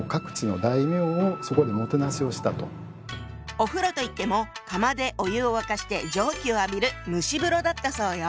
お風呂といっても窯でお湯を沸かして蒸気を浴びる蒸し風呂だったそうよ。